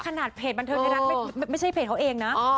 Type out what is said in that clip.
ขนาดเพจบันเทิงไทยรัฐไม่ใช่เพจเขาเองนะ